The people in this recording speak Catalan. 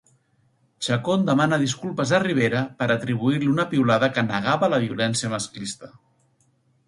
Chacón demana disculpes a Rivera per atribuir-li una piulada que negava la violència masclista.